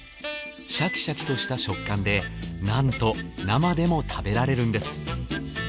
シャキシャキとした食感でなんと生でも食べられるんです